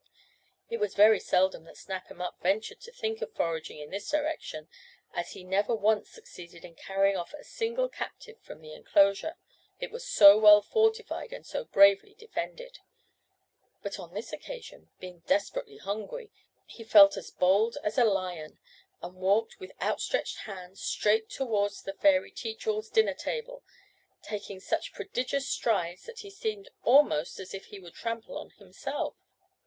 It was very seldom that Snap 'em up ventured to think of foraging in this direction, as he never once succeeded in carrying off a single captive from the enclosure, it was so well fortified and so bravely defended; but on this occasion, being desperately hungry, he felt as bold as a lion, and walked, with outstretched hands, straight towards the fairy Teach all's dinner table, taking such prodigious strides that he seemed almost as if he would trample on himself.